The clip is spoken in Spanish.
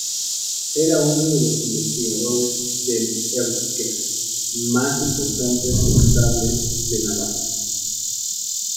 Era uno de los investigadores del euskera más importantes y notables de Navarra.